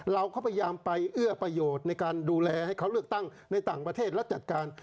เราก็พยายามไปเอื้อประโยชน์ในการดูแลให้เขาเลือกตั้งในต่างประเทศและจัดการ